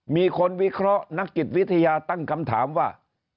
มีคนวิเคราะห์นักจิตวิทยาตั้งคำถามว่า